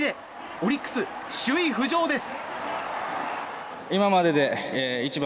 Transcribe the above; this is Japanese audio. オリックス、首位浮上です。